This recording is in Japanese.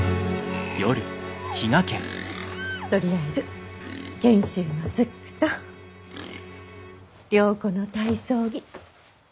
とりあえず賢秀のズックと良子の体操着。